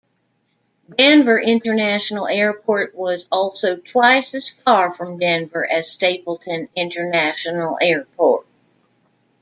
Denver International Airport was also twice as far from Denver as Stapleton International Airport.